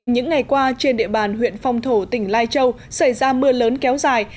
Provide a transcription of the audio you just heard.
những ngày qua trên địa bàn huyện phong thổ tỉnh lai châu xảy ra mưa lớn kéo dài